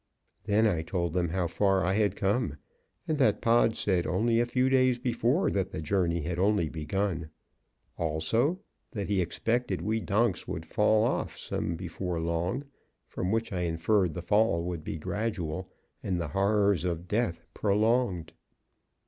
Then I told them how far I had come, and that Pod said only a few days before that the journey had only begun; also, that he expected we donks would fall off some before long, from which I inferred the fall would be gradual and the horrors of death prolonged.